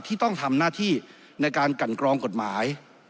ที่ต้องทำหน้าที่ในการกันกรองกฎหมาย